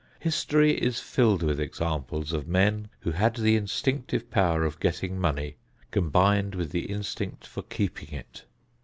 History is filled with examples of men who had the instinctive power of getting money combined with the instinct for keeping it.